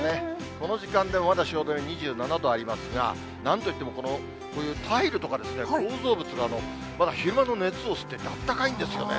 この時間でもまだ汐留２７度ありますが、なんといっても、こういうタイルとか構造物が、まだ昼間の熱を吸ってあったかいんですよね。